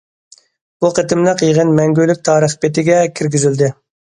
بۇ قېتىملىق يىغىن مەڭگۈلۈك تارىخ بېتىگە كىرگۈزۈلدى.